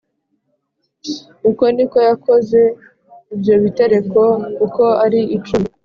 Uko ni ko yakoze ibyo bitereko uko ari icumi